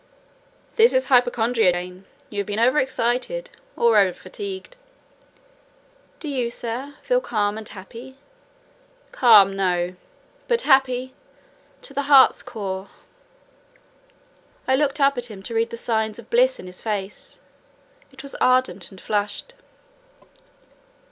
"This is hypochondria, Jane. You have been over excited, or over fatigued." "Do you, sir, feel calm and happy?" "Calm?—no: but happy—to the heart's core." I looked up at him to read the signs of bliss in his face: it was ardent and flushed.